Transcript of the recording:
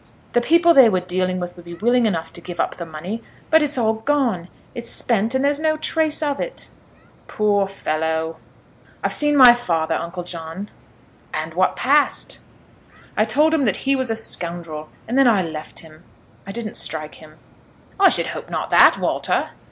"The people they were dealing with would be willing enough to give up the money, but it's all gone. It's spent, and there's no trace of it." "Poor fellow!" [Illustration: Parson John and Walter Marrable.] "I've seen my father, uncle John." "And what passed?" "I told him that he was a scoundrel, and then I left him. I didn't strike him." "I should hope not that, Walter."